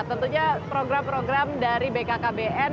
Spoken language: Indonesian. tentunya program program dari bkkbn